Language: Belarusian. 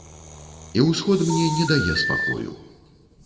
І ўсход мне не дае спакою.